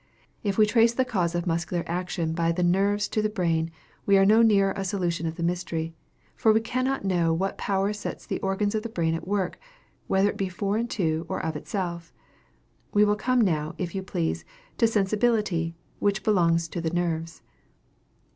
If we trace the cause of muscular action by the nerves to the brain, we are no nearer a solution of the mystery; for we cannot know what power sets the organs of the brain at work whether it be foreign to or of itself. We will come now, if you please to sensibility, which belongs to the nerves.